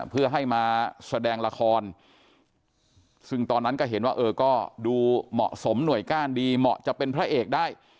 เพื่อให้มาแสดงละครซึ่งตอนนั้นก็เห็นว่าเออก็ดูเหมาะสมหน่วยก้านดีเหมาะจะเป็นพระเอกได้